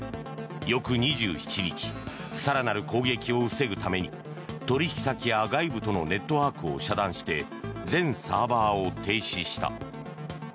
翌２７日更なる攻撃を防ぐために取引先や外部とのネットワークを遮断して全サーバーを停止した。